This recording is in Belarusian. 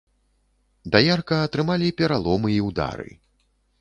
Даярка атрымалі пераломы і ўдары.